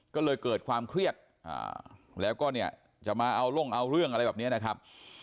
ก็เลยเกิดความเครียดแล้วก็เนี่ยจะมาเอาลงเอาเรื่องอะไรแบบนี้นะครับ